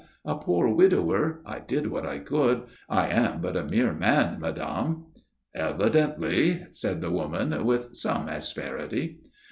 A poor widower, I did what I could. I am but a mere man, madame." "Evidently," said the woman, with some asperity.